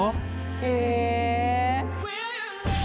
へえ。